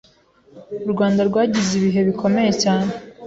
U Rwanda rwagize ibihe bikomeye cyane